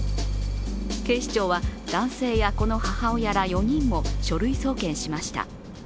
警視庁は男性やこの母親ら４人を書類送検しました。